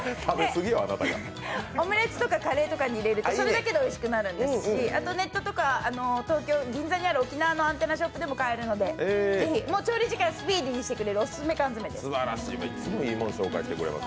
オムレツとかカレーとかに入れるとそれだけでおいしくなるしあとネットとか銀座にある沖縄のアンテナショップでも買えるし調理時間、スピーディにしてくれるオススメ缶詰です。